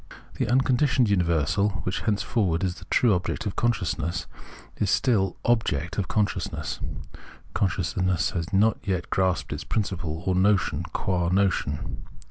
This unconditioned universal, which henceforward is the true object of consciousness, is still object of consciousness ; consciousness has not yet grasped its principle, or notion, qua notion.